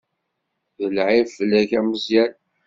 D lεib fell-ak a Meẓyan.